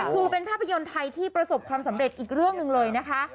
คือเป็นภาพยนตร์ไทยที่ประสบความสำเร็จอีกเรื่องหนึ่งเลยนะคะ